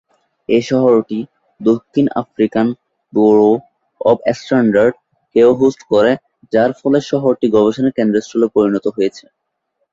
এই শহরটি "দক্ষিণ আফ্রিকান ব্যুরো অব স্ট্যান্ডার্ড" কেও হোস্ট করে, যার ফলে শহরটি গবেষণার কেন্দ্রস্থলে পরিণত হয়েছে।